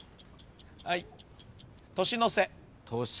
はい。